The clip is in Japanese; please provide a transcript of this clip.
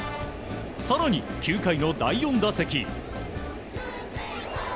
更に９回の第４打席。